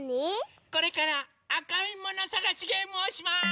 これからあかいものさがしゲームをします！